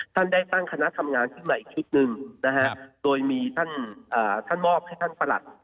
ท่านได้ตั้งคณะทำงานขึ้นมาอีกชุดหนึ่งนะฮะโดยมีท่านมอบให้ท่านประหลัด